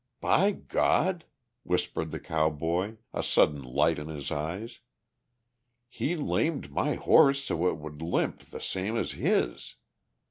"By God!" whispered the cowboy, a sudden light in his eyes, "he lamed my horse so it would limp the same as his!